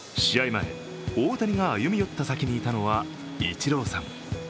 前、大谷が歩み寄った先にいたのはイチローさん。